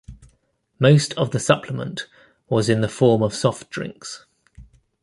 Most of the supplement was in the form of soft drinks.